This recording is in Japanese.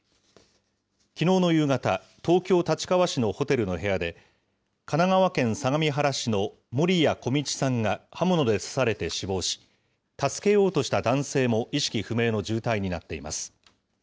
きのうの夕方、東京・立川市のホテルの部屋で、神奈川県相模原市の守屋径さんが刃物で刺されて死亡し、助けようとした男性も意識不明の重体になっています。